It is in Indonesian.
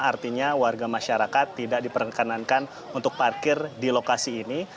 artinya warga masyarakat tidak diperkenankan untuk parkir di lokasi ini